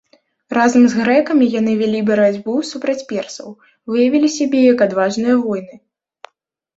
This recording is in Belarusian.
Разам з грэкамі, яны вялі барацьбу супраць персаў, выявілі сябе як адважныя воіны.